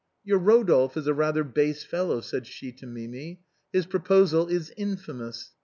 " Your Eodolphe is a base fellow," said she to Mimi ; "his proposal is infamous.